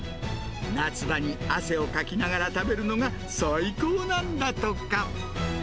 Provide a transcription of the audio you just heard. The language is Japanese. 夏場に汗をかきながら食べるのが最高なんだとか。